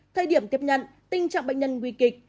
thời điểm tiếp nhận tình trạng bệnh nhân nguy kịch